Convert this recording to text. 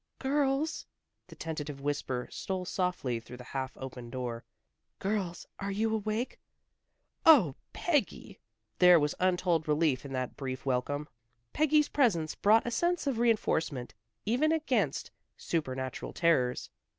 "Girls!" The tentative whisper stole softly through the half open door. "Girls, are you awake?" "Oh, Peggy!" There was untold relief in that brief welcome. Peggy's presence brought a sense of reinforcement, even against supernatural terrors.